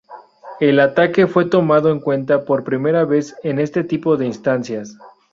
El atacante fue tomado en cuenta por primera vez en este tipo de instancias.